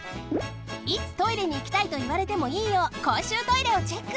いつ「トイレにいきたい」といわれてもいいようこうしゅうトイレをチェック！